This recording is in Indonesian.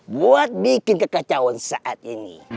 buat bikin kekacauan saat ini